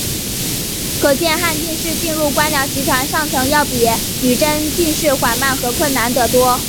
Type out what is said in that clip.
可见汉进士进入官僚集团上层要比女真进士缓慢和困难得多。